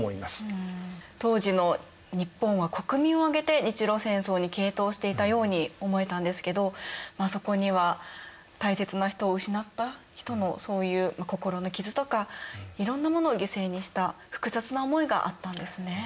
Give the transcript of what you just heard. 当時の日本は国民を挙げて日露戦争に傾倒していたように思えたんですけどそこには大切な人を失った人のそういう心の傷とかいろんなものを犠牲にした複雑な思いがあったんですね。